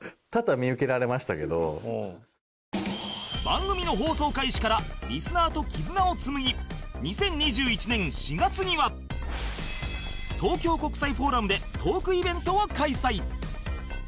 番組の放送開始からリスナーと絆を紡ぎ２０２１年４月には東京国際フォーラムでトークイベントを開催